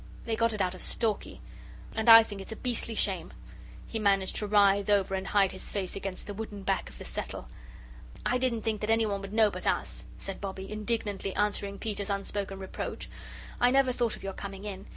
They got it out of Stalky. And I think it's a beastly shame." He managed to writhe over and hide his face against the wooden back of the settle. "I didn't think that anyone would know but us," said Bobbie, indignantly answering Peter's unspoken reproach. "I never thought of your coming in.